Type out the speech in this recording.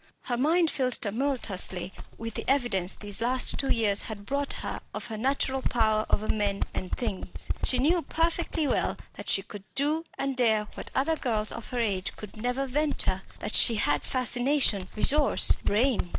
Her mind filled tumultuously with the evidence these last two years had brought her of her natural power over men and things. She knew perfectly well that she could do and dare what other girls of her age could never venture that she had fascination, resource, brain.